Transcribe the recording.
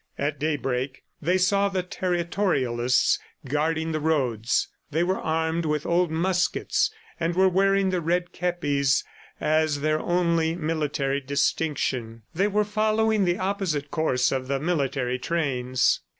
At daybreak, they saw the Territorialists guarding the roads. They were armed with old muskets, and were wearing the red kepis as their only military distinction. They were following the opposite course of the military trains.